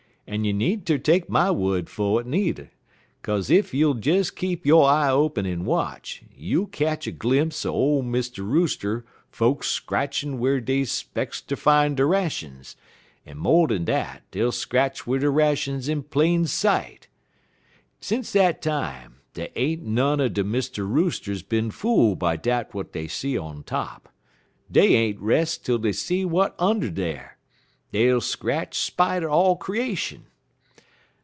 En you neenter take my wud fer't, ne'r, kaze ef you'll des keep yo' eye open en watch, you'll ketch a glimse er ole Mr. Rooster folks scratchin' whar dey 'specks ter fine der rations, en mo' dan dat, dey'll scratch wid der rations in plain sight. Since dat time, dey ain't none er de Mr. Roosters bin fool' by dat w'at dey see on top. Dey ain't res' twel dey see w'at und' dar. Dey'll scratch spite er all creation."